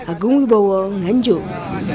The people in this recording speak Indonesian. agung wibowo nganjuk